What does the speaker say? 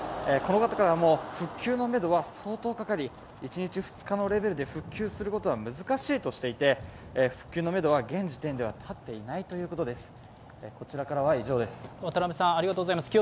このことからも、復旧のめどは相当かかり一日、二日のレベルで復旧することは難しいとしていて復旧のめどは現時点では立っていないということです。